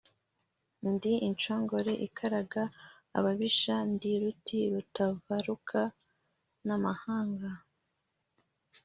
ndi inshongore ikaraga ababisha, ndi ruti rutavaruka n'amahanga.